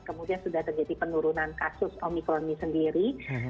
kemudian sudah terjadi penurunan kasus omikron ini sendiri